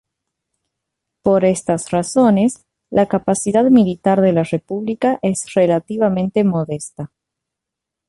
Por estas razones, la capacidad militar de la república es relativamente modesta.